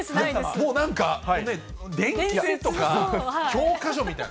もうなんか、伝記とか教科書みたいな。